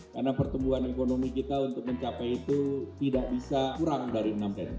karena pertumbuhan ekonomi kita untuk mencapai itu tidak bisa kurang dari enam detik